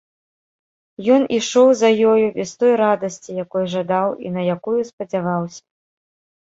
Ён ішоў за ёю без той радасці, якой жадаў і на якую спадзяваўся.